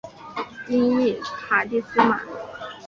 音译卡蒂斯玛。